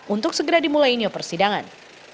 untuk segera dimulainya persidangan